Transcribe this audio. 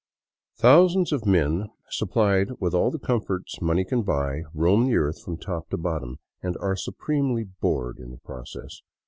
Thou sands of men, supplied with all the comforts money can buy, roam the earth from top to bottom — and are supremely bored in the process.